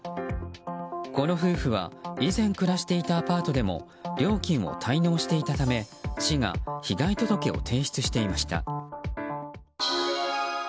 この夫婦は以前、暮らしていたアパートでも料金を滞納していたため市が被害届を提出していました。